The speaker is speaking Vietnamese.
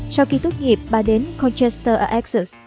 sau khi tốt nghiệp bà đến colchester ở exxon